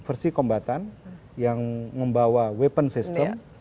versi kombatan yang membawa weapon system